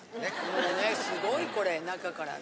もうねすごいこれ中から。